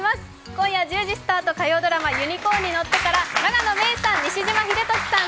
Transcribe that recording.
今夜１０時スタート、火曜ドラマ「ユニコーンに乗って」から永野芽郁さん、西島秀俊さん